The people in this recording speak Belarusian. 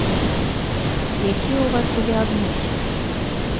Якія ў вас былі адносіны?